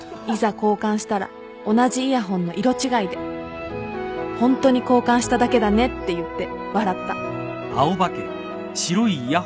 交換したら同じイヤホンの色違いでホントに交換しただけだねって言って笑った